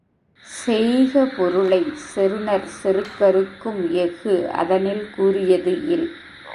செய்க பொருளைச் செறுநர் செருக்கறுக்கும் எஃகு அதனிற் கூரியது இல்.